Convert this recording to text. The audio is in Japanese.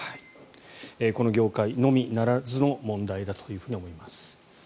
この業界のみならずの問題だと思います。